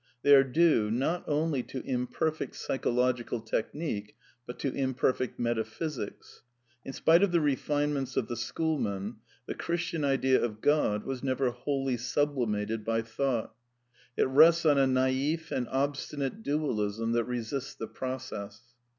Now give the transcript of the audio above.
They are due, not only to imperfect psychological technique, but to imperfect metaphysics. In spite of the refinements of ijj tho Schoolmen, the Christian idea of God was never whoHy^ J sublimated by thought It rests on a naif and obstinate /' dualism that resists the process.